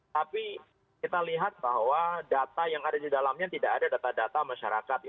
tapi kita lihat bahwa data yang ada di dalamnya tidak ada data data masyarakat